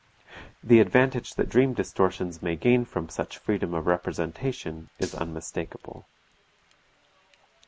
The advantage that dream distortions may gain from such freedom of representation, is unmistakable.